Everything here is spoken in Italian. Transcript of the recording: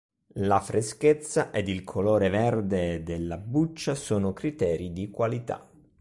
La freschezza ed il colore verde della buccia sono criteri di qualità.